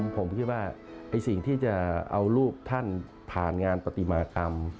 ผมคิดว่าสิ่งที่จะเอารูปท่านผ่านงานปฏิมากรรม